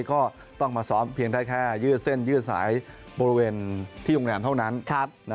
ก็ต้องมาซ้อมเพียงได้แค่ยืดเส้นยืดสายบริเวณที่โรงแรมเท่านั้น